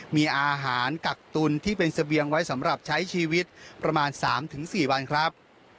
มีอาหารกักตุลที่เป็นเสบียงไว้สำหรับใช้ชีวิตประมาณ๓๔วันครับ